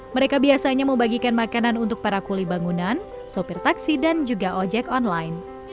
mereka biasanya membagikan makanan untuk para kuli bangunan sopir taksi dan juga ojek online